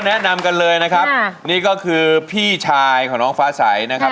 แนะนำกันเลยนะครับนี่ก็คือพี่ชายของน้องฟ้าใสนะครับ